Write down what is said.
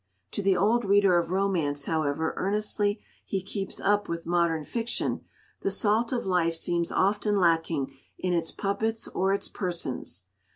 To the old reader of romance, however earnestly he keeps up with modern fiction, the salt of life seems often lacking in its puppets or its persons.